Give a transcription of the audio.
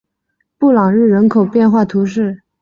布朗日人口变化图示